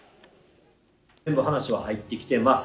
全部話は入ってきてます。